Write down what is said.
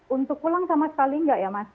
untuk pulang sama sekali enggak ya mas